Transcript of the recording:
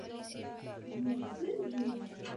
Glenda Nelson es el actual jefa tribal.